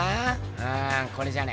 うんこれじゃねえ。